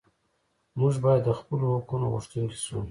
موږ باید د خپلو حقونو غوښتونکي شو.